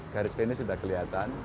garis finish sudah kelihatan